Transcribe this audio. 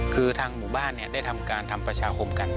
คือทางหมู่บ้านได้ทำการทำประชาคมกัน